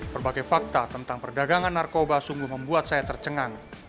berbagai fakta tentang perdagangan narkoba sungguh membuat saya tercengang